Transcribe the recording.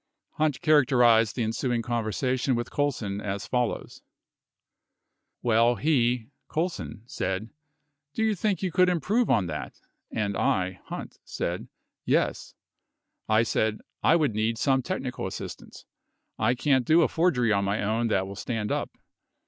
45 Hunt characterized the ensuing conversation with Colson as follows : Well, he [Colson] said, "Do you think you could improve on that," and I [Hunt] said, "Yes." I said, "I would need some technical assistance. I can't do ia forgery on my own that will stand up."